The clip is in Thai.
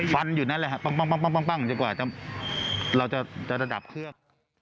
ฟันหยุดนั้นแหละฮะปั้งอย่างเชื่อกว่าเราจะระดับเครื่อง